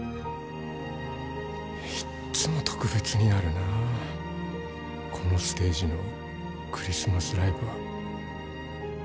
いっつも特別になるなあこのステージのクリスマスライブは。